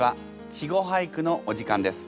「稚語俳句」のお時間です。